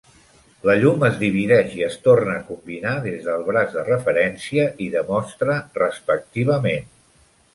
La llum es divideix i es torna a combinar des del braç de referència i de mostra, respectivament.